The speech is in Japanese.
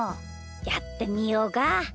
やってみようか。